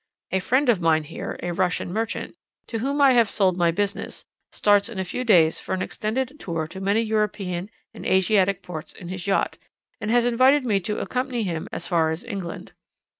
A friend of mine here, a Russian merchant, to whom I have sold my business, starts in a few days for an extended tour to many European and Asiatic ports in his yacht, and has invited me to accompany him as far as England.